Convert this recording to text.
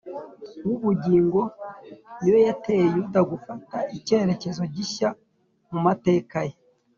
w’ubugingo ni yo yateye yuda gufata icyerekezo gishya mu mateka ye